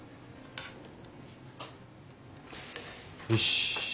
よし。